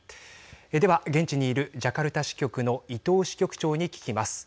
では現地にいるジャカルタ支局の伊藤支局長に聞きます。